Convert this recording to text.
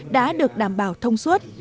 đã được đảm bảo thông suốt